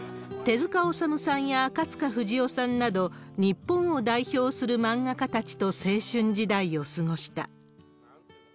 手塚治虫さんや赤塚不二夫さんなど、日本を代表する漫画家たちと青春時代を過ごした。